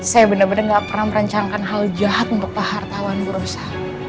saya benar benar gak pernah merancangkan hal jahat untuk pak hartawan berusaha